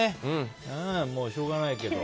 もうしょうがないけど。